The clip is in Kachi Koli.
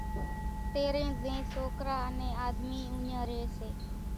تيرين زين سوڪرا انين آۮمي اوڃان رئي سي۔